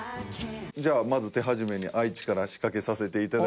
じゃあまず手始めに愛知から仕掛けさせて頂きますよ。